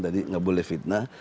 tadi nggak boleh fitnah